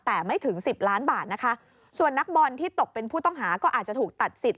แต่ไม่ถึงสิบล้านบาทนะคะส่วนนักบอลที่ตกเป็นผู้ต้องหาก็อาจจะถูกตัดสิทธิ